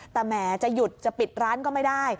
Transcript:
แต่แหมจะหยุดจะปิดร้านก็ไม่ได้